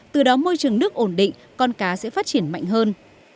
từ đó môi trường nước ổn định con cá sẽ phát triển mạnh hơn